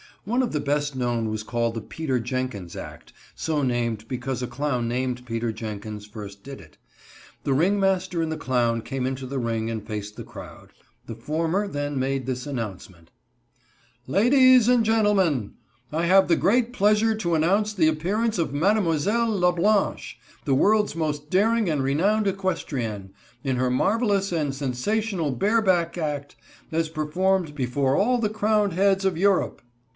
One of the best known was called the "Peter Jenkins Act," so named because a clown named Peter Jenkins first did it. The ringmaster and the clown came into the ring and faced the crowd. The former then made this announcement: "Ladies and gentlemen: I have the great pleasure to announce the appearance of Mademoiselle La Blanche, the world's most daring and renowned equestrienne, in her marvelous and sensational bareback act as performed before all the crowned heads of Europe."